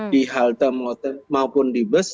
di halte maupun di bus